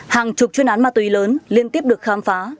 hàng chục chuyên án ma túy lớn liên tiếp được khám phá